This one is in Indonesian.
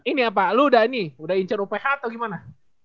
ini apa lu udah nih udah incer uph atau gimana